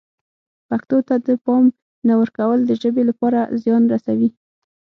پښتو ته د پام نه ورکول د ژبې لپاره زیان رسوي.